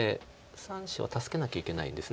３子を助けなきゃいけないんです。